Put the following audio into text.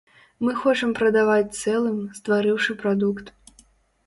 Мы хочам прадаваць цэлым, стварыўшы прадукт.